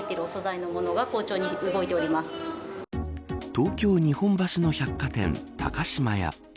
東京・日本橋の百貨店高島屋。